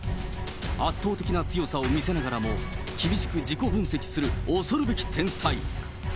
圧倒的な強さを見せながらも、厳しく自己分析する恐るべき天才。